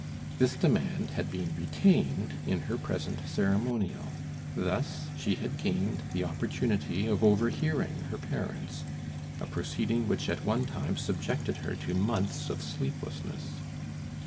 This demand had been retained in her present ceremonial. Thus she had gained the opportunity of overhearing her parents, a proceeding which at one time subjected her to months of sleeplessness.